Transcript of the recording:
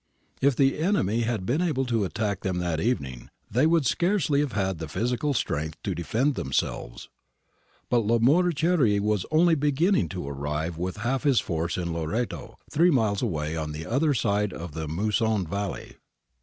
If the enemy had been able to attack them that evening, they would scarcely have had the physical strength to defend themselves. But Lamoriciere was only beginning to arrive with half his force in Loreto, three miles away on the other side of the Musone valley.